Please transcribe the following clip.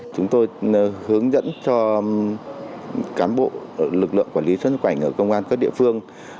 chúng tôi hướng dẫn cho cán bộ lực lượng quản lý xuất nhập cảnh ở công an các địa phương